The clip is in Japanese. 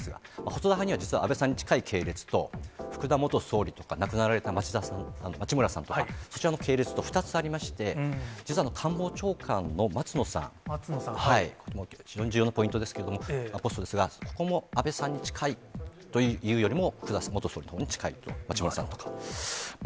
細田派には実は安倍さんに近い系列と、福田元総理とか亡くなられた町村さんとか、そちらの系列と２つありまして、実は官房長官の松野さん、非常に重要なポイントですけれども、ポストですが、ここも安倍さんに近いというよりも、福田元総理に近いと町村さんとか。